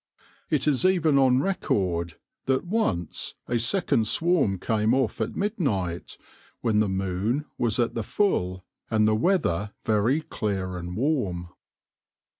It is even on record that once a second swarm came off at midnight, when the moon was at the full and the weather very clear and warm.